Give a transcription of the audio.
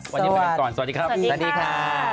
สวัสดีครับสวัสดีค่ะสวัสดีค่ะ